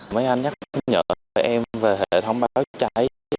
mấy anh nhắc nhở em về hệ thống báo cháy